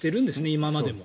今までも。